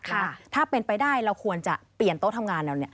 ถ้าเป็นไปได้เราควรจะเปลี่ยนโต๊ะทำงานเราเนี่ย